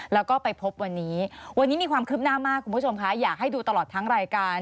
แล้วก็ไปพบวันนี้วันนี้มีความคืบหน้ามากคุณผู้ชมคะอยากให้ดูตลอดทั้งรายการ